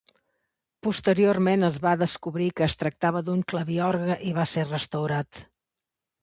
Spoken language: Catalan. Posteriorment es va descobrir que es tractava d’un claviorgue i va ser restaurat.